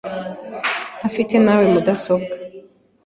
ntafite nawe mudasobwa.